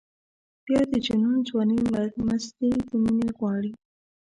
بیا د جنون ځواني مستي د مینې غواړي.